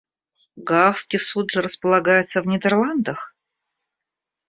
Гаагский Суд же располагается в Нидерландах?